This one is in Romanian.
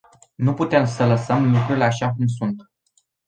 Nu putem să lăsăm lucrurile așa cum sunt.